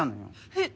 えっ？